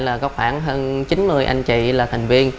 là có khoảng hơn chín mươi anh chị là thành viên